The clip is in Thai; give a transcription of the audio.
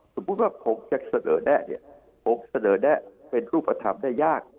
สมมุติว่าผมจะเสนอแนะเนี่ยผมเสนอแนะเป็นรูปธรรมได้ยาก